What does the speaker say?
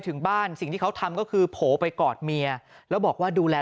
ถึงบ้านสิ่งที่เขาทำก็คือโผล่ไปกอดเมียแล้วบอกว่าดูแล